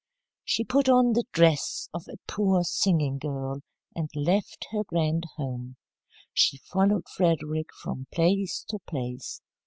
She put on the dress of a poor singing girl, and left her grand home. She followed Frederick from place to place.